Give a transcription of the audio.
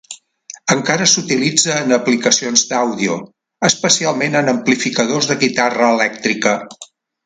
Encara s'utilitza en aplicacions d'àudio, especialment en amplificadors de guitarra elèctrica.